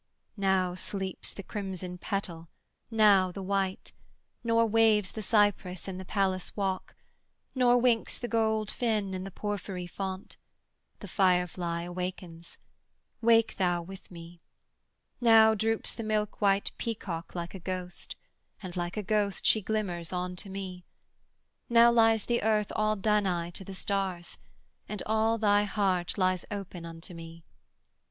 'Now sleeps the crimson petal, now the white; Nor waves the cypress in the palace walk; Nor winks the gold fin in the porphyry font: The fire fly wakens: wake thou with me. Now droops the milkwhite peacock like a ghost, And like a ghost she glimmers on to me. Now lies the Earth all Danaë to the stars, And all thy heart lies open unto me.